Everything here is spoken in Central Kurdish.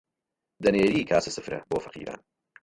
دەنێری کاسە سفرە بۆ فەقیران